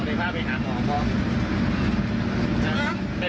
พี่สาวต้องรายเป็นของด้านบนหวก่อนปันที่มีไปใต้